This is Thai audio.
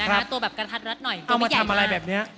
เอามาทำอะไรแบบนี้